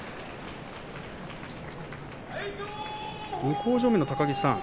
向正面の高木さん。